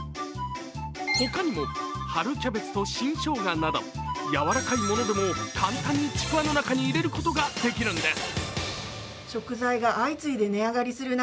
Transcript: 他にも春キャベツと新しょうがなど、柔らかいものでも簡単にちくわの中に入れることができるんです。